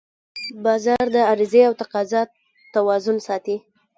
بازار د عرضې او تقاضا توازن ساتي